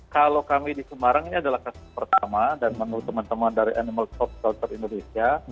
kalau kami di semarang ini adalah kasus pertama dan menurut teman teman dari animal soft shor indonesia